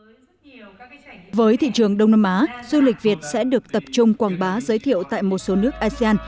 với thị trường đông nam á du lịch việt sẽ được tập trung quảng bá giới thiệu tại một số nước asean